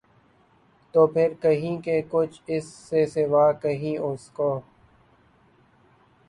تو پھر کہیں کہ کچھ اِس سے سوا کہیں اُس کو